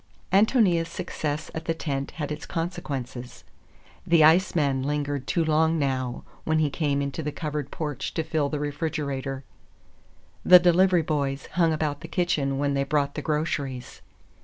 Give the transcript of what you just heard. Ántonia's success at the tent had its consequences. The iceman lingered too long now, when he came into the covered porch to fill the refrigerator. The delivery boys hung about the kitchen when they brought the groceries.